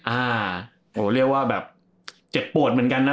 อ่าโหเรียกว่าแบบเจ็บปวดเหมือนกันนะ